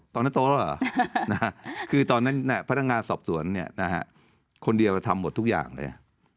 ตอนนั้นโตแล้วหรอคือตอนนั้นพนักงานสอบสวนคนเดียวจะทำหมดทุกอย่างเลย